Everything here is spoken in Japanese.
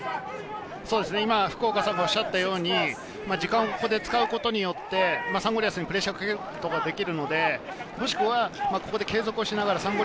今、福岡さんが言ったように、時間をここで使うことによってサンゴリアスにプレッシャーをかけることができるので、もしくはここで継続しながらサンゴ